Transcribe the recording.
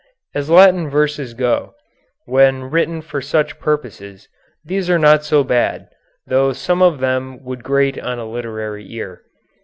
As Latin verses go, when written for such purposes, these are not so bad, though some of them would grate on a literary ear.